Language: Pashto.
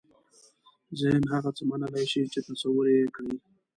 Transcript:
ذهن هغه څه منلای شي چې تصور یې کړي.